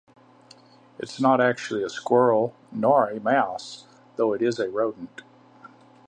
It is not actually a :squirrel, nor a :mouse, though it is a rodent.